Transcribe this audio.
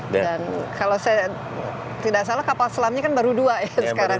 dan kalau saya tidak salah kapal selamnya kan baru dua ya sekarang